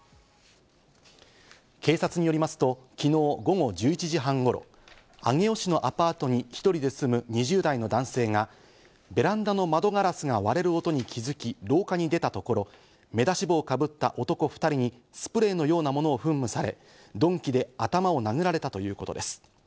警察によりますと昨日午後１１時半頃、上尾市のアパートに１人で住む２０代の男性がベランダの窓ガラスが割れる音に気づき、廊下に出たところ、目出し帽をかぶった男２人にスプレーのようなものを噴霧され、鈍器で頭を殴られたということです。